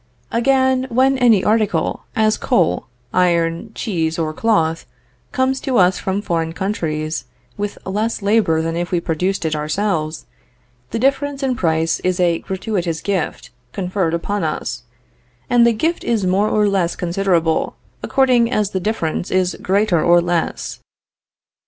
"Again, when any article, as coal, iron, cheese, or cloth, comes to us from foreign countries with less labor than if we produced it ourselves, the difference in price is a gratuitous gift conferred upon us; and the gift is more or less considerable, according as the difference is greater or less.